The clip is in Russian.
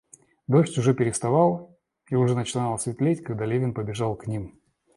Дождь уже переставал, и начинало светлеть, когда Левин подбежал к ним.